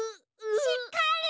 しっかり！